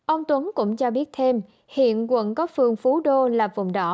ông tuấn cũng cho biết thêm hiện quận có phường phú đô là vùng đỏ